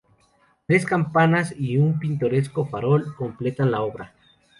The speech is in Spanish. Tres campanas y un pintoresco farol completan la obra.